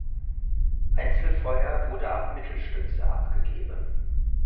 Einzelfeuer wurde ab Mittelstütze abgegeben.